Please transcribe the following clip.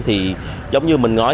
thì giống như mình nói